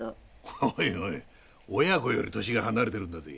おいおい親子より年が離れてるんだぜ。